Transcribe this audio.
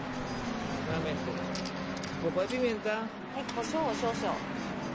こしょうを少々。